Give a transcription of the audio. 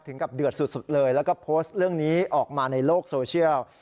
กับเดือดสุดเลยแล้วก็โพสต์เรื่องนี้ออกมาในโลกโซเชียล